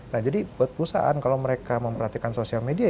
nah jadi buat perusahaan kalau mereka memperhatikan sosial media